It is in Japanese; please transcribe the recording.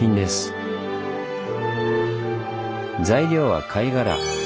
材料は貝殻。